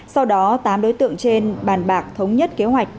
sau đó tám đối tượng trên bàn bạc thống nhất kế hoạch